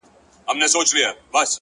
د زاړه ښار کوڅې د قدمونو حافظه لري.!